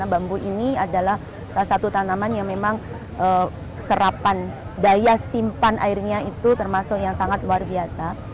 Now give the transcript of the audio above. bambu ini adalah salah satu tanaman yang memang serapan daya simpan airnya itu termasuk yang sangat luar biasa